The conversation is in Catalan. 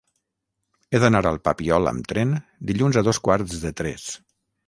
He d'anar al Papiol amb tren dilluns a dos quarts de tres.